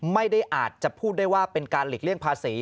ไม่ได้อาจจะพูดได้ว่าเป็นการหลีกเลี่ยงภาษี